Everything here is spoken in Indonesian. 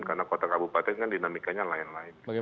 karena kota kabupaten kan dinamikanya lain lain